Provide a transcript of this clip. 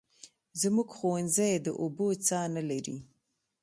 زموږ ښوونځی د اوبو څاه نلري